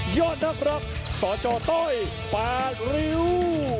ยอดนักรักสจต้อยปากริ้ว